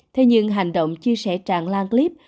thế nhưng hành động chia sẻ tràn lan clip